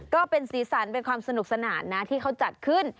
ก็เป็นสีสันเป็นความสนุกสนานนะที่เขาจัดขึ้น